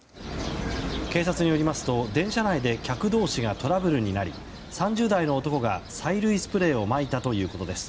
警察によりますと、電車内で客同士がトラブルになり３０代の男が催涙スプレーをまいたということです。